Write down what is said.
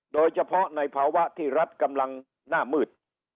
โดยเฉพาะในภาวะที่รัฐกำลังหน้ามืด